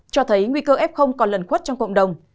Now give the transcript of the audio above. cho thấy nguy cơ f còn lần khuất trong cộng đồng